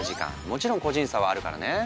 もちろん個人差はあるからね。